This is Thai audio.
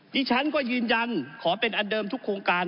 ดิฉันก็ยืนยันขอเป็นอันเดิมทุกโครงการ